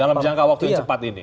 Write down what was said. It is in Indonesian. dalam jangka waktu yang cepat ini